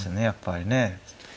やっぱりね。